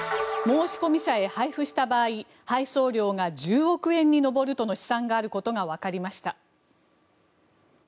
申込者へ配布した場合配送料が１０億円に上るとの試算があることがわかりました。